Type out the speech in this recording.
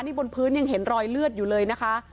นี่บนพื้นยังเห็นรอยเลือดอยู่เลยนะคะ